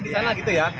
di sana gitu ya